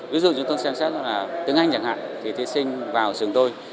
ví dụ chúng tôi xem xét là tiếng anh chẳng hạn thì thí sinh vào trường tôi